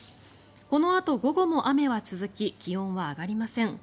このあと午後も雨は続き気温は上がりません。